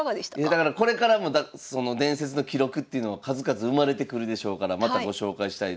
だからこれからもその伝説の記録っていうのは数々生まれてくるでしょうからまたご紹介したい。